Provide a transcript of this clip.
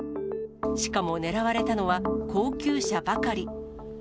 しかも狙われたのは、高級車ばかり。